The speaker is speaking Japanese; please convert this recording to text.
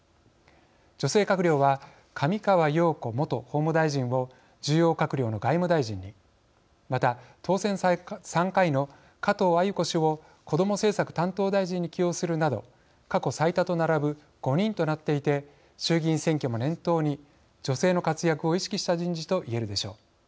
女性閣僚は上川陽子元法務大臣を重要閣僚の外務大臣にまた、当選３回の加藤鮎子氏をこども政策担当大臣に起用するなど過去最多と並ぶ５人となっていて衆議院選挙も念頭に女性の活躍を意識した人事と言えるでしょう。